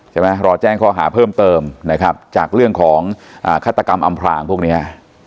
รอแจ้งข้อหาเพิ่มเติมนะครับจากเรื่องของอ่าฆาตกรรมอำพลางพวกเนี้ย